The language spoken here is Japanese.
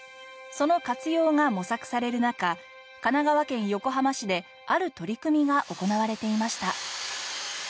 その活用が模索される中神奈川県横浜市である取り組みが行われていました。